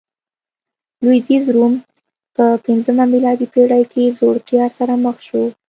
لوېدیځ روم په پنځمه میلادي پېړۍ کې ځوړتیا سره مخ شو